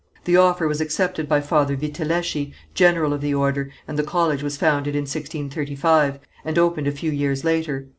The offer was accepted by Father Vitelleschi, general of the order, and the college was founded in 1635, and opened a few years later.